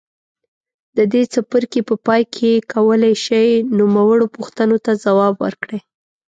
د دې څپرکي په پای کې کولای شئ نوموړو پوښتنو ته ځواب ورکړئ.